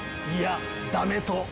いやダメと！